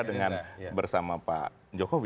dengan bersama pak jokowi